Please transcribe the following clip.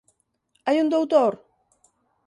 Hai un doutor?